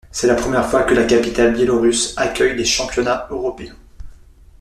C'est la première fois que la capitale biélorusse accueille les championnats européens.